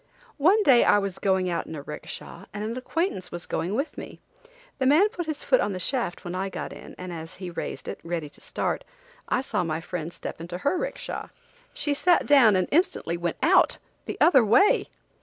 One day I was going out in a 'ricksha and an acquaintance was going with me. The man put his foot on the shaft when I got in, and as he raised it, ready to start, I saw my friend step into her 'ricksha. She sat down and instantly went out–the other way!